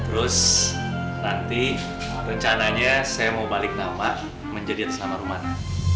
terus nanti rencananya saya mau balik nama menjadi atasan rumahnya